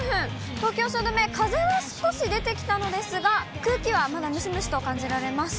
東京・汐留、風は少し出てきたのですが、空気はまだムシムシと感じられます。